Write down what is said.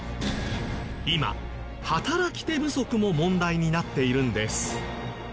今働き手不足も問題になっているんです。